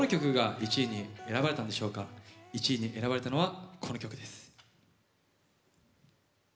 １位に選ばれたのはこの曲です。